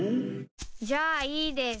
じゃあいいです。